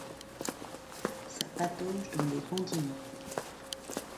Ça patauge dans les bons dîners.